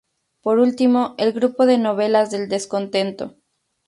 Por último, el grupo de Novelas del descontento.